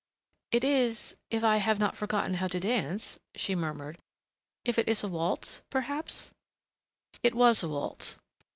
"It is if I have not forgotten how to dance," she murmured. "If it is a waltz, perhaps " It was a waltz.